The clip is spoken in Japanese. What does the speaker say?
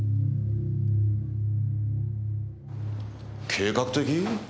計画的？